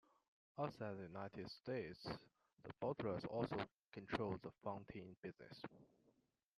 Outside the United States, the bottlers also control the fountain business.